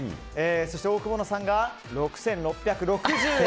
オオクボーノさんが６６６０円。